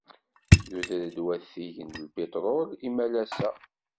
Yuder-d watig n upitṛul imalas-a.